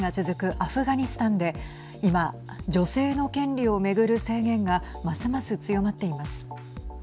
アフガニスタンで今女性の権利を巡る制限がますます強まっています。